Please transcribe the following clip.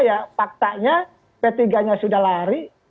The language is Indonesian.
ya faktanya p tiga nya sudah lari